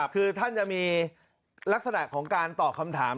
คือท่านจะมีลักษณะของการตอบคำถาม